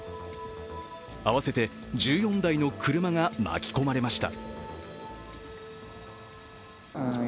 合わせて１４台の車が巻き込まれました。